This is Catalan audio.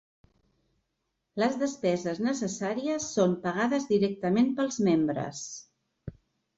Les despeses necessàries són pagades directament pels membres.